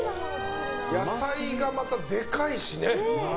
野菜が、またでかいしね。